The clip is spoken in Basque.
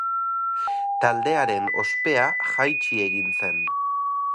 Taldearen ospea jaitsi egin zen.